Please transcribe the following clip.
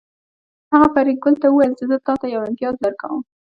هغه فریدګل ته وویل چې زه تاته یو امتیاز درکوم